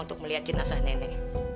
untuk melihat jenazah nenek